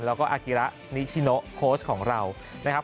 แล้วก็อากิระนิชิโนโค้ชของเรานะครับ